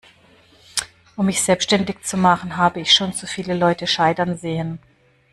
Um mich selbstständig zu machen, habe ich schon zu viele Leute scheitern sehen.